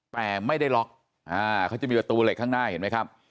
แต่ไม่ได้ล็อกเขาจะมีประตูเหล็กข้างหน้าเห็นไหมครับ